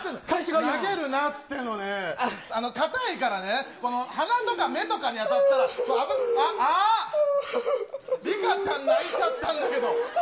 投げるなって言ってるのに、硬いからね、鼻とか目に当たったら、危ない、ああ、りかちゃん、泣いちゃったんだけど。